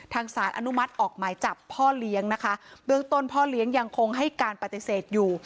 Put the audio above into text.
สารอนุมัติออกหมายจับพ่อเลี้ยงนะคะเบื้องต้นพ่อเลี้ยงยังคงให้การปฏิเสธอยู่